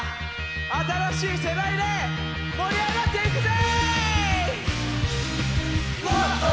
新しい世代で盛り上がっていくぜ！